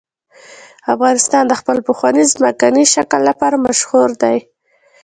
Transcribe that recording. افغانستان د خپل پخواني ځمکني شکل لپاره مشهور دی.